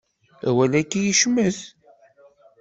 Awal-agi yecmet.